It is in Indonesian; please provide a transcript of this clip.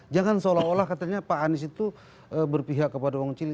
jangan seolah olah katanya pak anies itu berpihak kepada uang cili